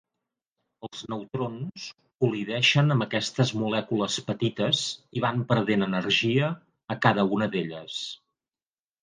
Els neutrons col·lideixen amb aquestes molècules petites i van perdent energia a cada una d'elles.